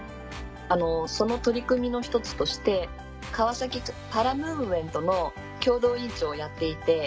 その取り組みの１つとして「かわさきパラムーブメント」の共同委員長をやっていて。